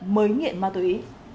mới nghiện ma túy